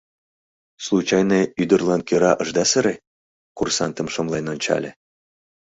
— Случайне ӱдырлан кӧра ышда сыре? — курсантым шымлен ончале.